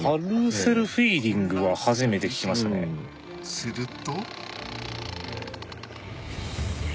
すると。